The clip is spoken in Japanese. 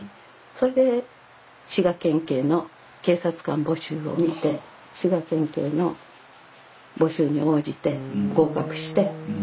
それで滋賀県警の警察官募集を見て滋賀県警の募集に応じて合格して。